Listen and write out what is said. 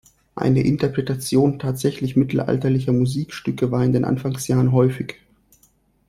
Eine Interpretation tatsächlich mittelalterlicher Musikstücke war in den Anfangsjahren häufig.